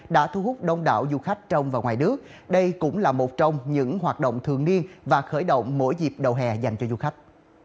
đã thu hút đông đảo du khách trong và ngoài nước đây cũng là một trong những hoạt động thường niên và khởi động mỗi dịp đầu hè dành cho du khách